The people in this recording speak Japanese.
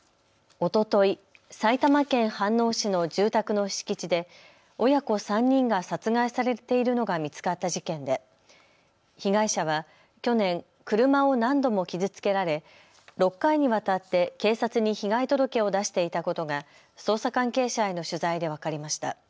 おととい、埼玉県飯能市の住宅の敷地で親子３人が殺害されているのが見つかった事件で被害者は去年、車を何度も傷つけられ６回にわたって警察に被害届を出していたことが捜査関係者への取材で分かりました。